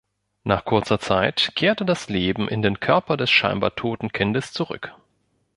Nach kurzer Zeit kehrte das Leben in den Körper des scheinbar toten Kindes zurück.